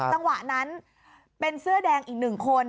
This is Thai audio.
จังหวะนั้นเป็นเสื้อแดงอีกหนึ่งคน